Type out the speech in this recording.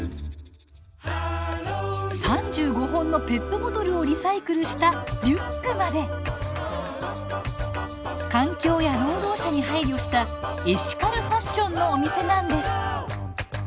３５本のペットボトルをリサイクルしたリュックまで環境や労働者に配慮したエシカルファッションのお店なんです。